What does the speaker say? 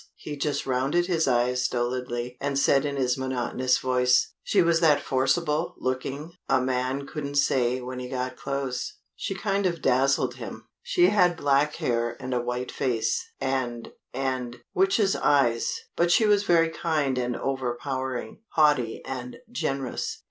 he just rounded his eyes stolidly and said in his monotonous voice: "She was that forcible looking, a man couldn't say when he got close, she kind of dazzled him. She had black hair, and a white face, and and witch's eyes, but she was very kind and overpowering, haughty and generous.